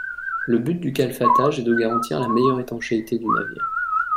Le but du calfatage est de garantir la meilleure étanchéité du navire.